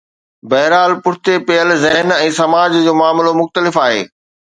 بهرحال پٺتي پيل ذهن ۽ سماج جو معاملو مختلف آهي.